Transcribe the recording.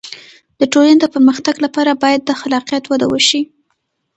د ټولنې د پرمختګ لپاره باید د خلاقیت وده وشي.